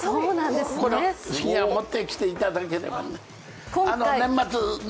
これを持ってきていただければね。